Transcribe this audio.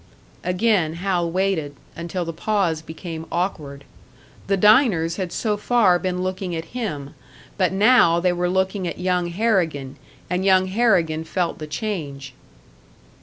Again Hal waited until the pause became awkward. The diners had so far been looking at him; but now they were looking at young Harrigan, and young Harrigan felt the change.